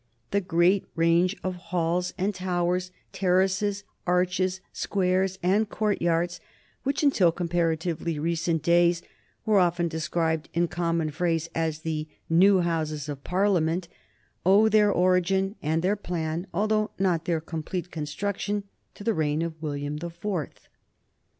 The great range of halls, towers, and terraces, arches, squares, and court yards, which, until comparatively recent days, were often described in common phrase as the New Houses of Parliament, owe their origin and their plan, although not their complete construction, to the reign of William the Fourth.